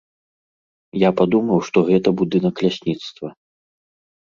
Я падумаў, што гэта будынак лясніцтва.